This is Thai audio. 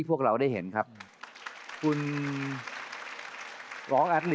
โปรดติดตามต่อไป